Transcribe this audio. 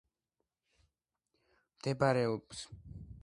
მდებარეობს კიევის ოლქის ბელაია-ცერკოვის რაიონში.